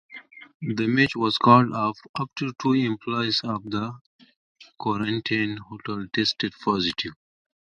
The match was called off after two employees of the quarantine hotel tested positive.